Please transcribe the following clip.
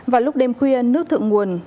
và lúc đêm khuya nước thượng nguồn